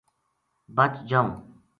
بچ جائوں